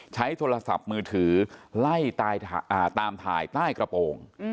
ใช้โทรศัพท์มือถือไล่ตามถ่ายใต้กระโปรง